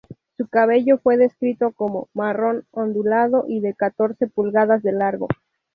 Su cabello fue descrito como "marrón, ondulado y de catorce pulgadas de largo".